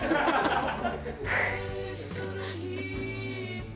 ハハハハ！